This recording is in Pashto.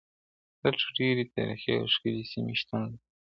دلته ډېری تاریخي او ښکلي سيمي شتون لري.